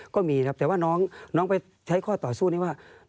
ก็มีครับแต่ว่าน้องไปใช้ข้อต่อสู้นี้ว่า